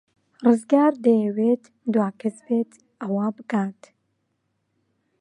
ڕزگار دەیەوێت دوا کەس بێت ئەوە بکات.